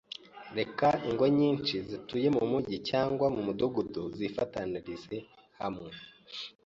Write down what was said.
Reka ingo nyinshi zituye mu mugi cyangwa mu mudugudu zifatanyirize hamwe